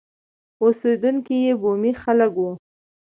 اوسېدونکي یې بومي خلک وو.